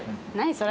それ。